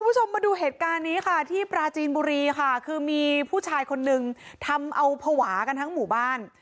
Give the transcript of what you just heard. คุณผู้ชมมาดูเหตุการณ์นี้ค่ะที่ปราจีนบุรีค่ะคือมีผู้ชายคนนึงทำเอาภาวะกันทั้งหมู่บ้าน